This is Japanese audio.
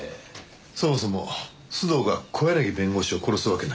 そもそも須藤が小柳弁護士を殺すわけない。